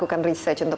onun bisa semuanya